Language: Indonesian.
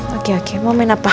oke oke mau main apa